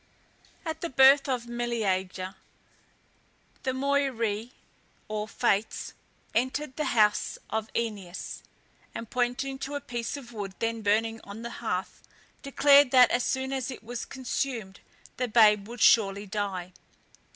At the birth of Meleager, the Moirae, or Fates, entered the house of Oeneus, and pointing to a piece of wood then burning on the hearth, declared that as soon as it was consumed the babe would surely die.